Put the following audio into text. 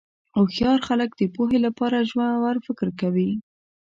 هوښیار خلک د پوهې لپاره ژور فکر کوي.